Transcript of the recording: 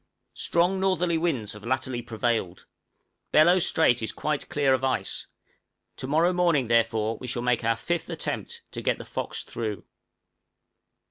Strong northerly winds have latterly prevailed; Bellot Strait is quite clear of ice; to morrow morning, therefore, we shall make our fifth attempt to get the 'Fox' through.